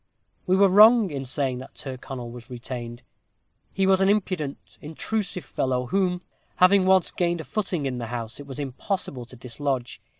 We were wrong in saying that Tyrconnel was retained. He was an impudent, intrusive fellow, whom, having once gained a footing in the house, it was impossible to dislodge.